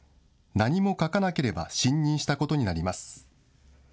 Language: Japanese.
何も書かなければ信任したことになります。